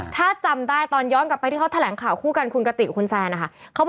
ถ้าจำได้ตอนย้อนกลับไปที่เขาแถลงข่าวคู่กันคุณกติกคุณแซนนะคะ